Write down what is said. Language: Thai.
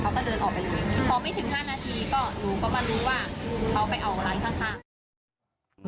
พอไม่ถึง๕นาทีก็หนูก็มารู้ว่าเขาไปออกไปทางข้าง